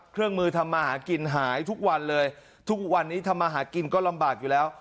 เครื่องมือทำมาหากินหายทุกวันเลยทุกวันนี้ทำมาหากินก็ลำบากอยู่แล้ว